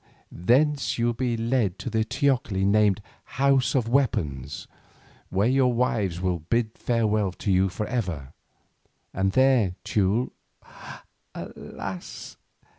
Thence you will be led to the teocalli named 'House of Weapons,' where your wives will bid farewell to you for ever, and there, Teule, alas!